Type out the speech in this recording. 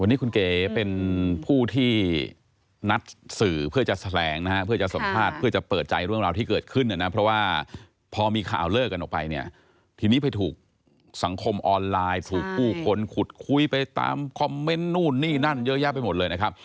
วันนี้คุณเก๋เป็นผู้ที่นัดสื่อเพื่อจะแถลงนะฮะเพื่อจะสัมภาษณ์เพื่อจะเปิดใจเรื่องราวที่เกิดขึ้นเนี่ยนะเพราะว่าพอมีข่าวเลิกกันออกไปเนี่ยทีนี้ไปถูกสังคมออนไลน์ถูกผู้คนขุดคุยไปตามคอมเมนต์นู่นนี่นั่นเยอะแยะไปหมดเลยนะครับ